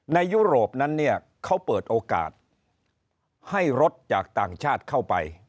ยุโรปนั้นเนี่ยเขาเปิดโอกาสให้รถจากต่างชาติเข้าไป